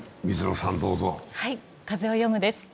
「風をよむ」です。